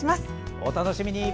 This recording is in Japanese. お楽しみに。